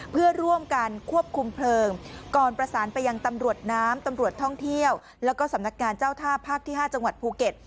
เพื่อร่วมกันควบคุมเพลิงก่อนประสานไปยังตำรวจน้ำตำรวจท่องเที่ยวแล้วก็สำนักงานเจ้าท่าภาคที่๕จังหวัดภูเก็ต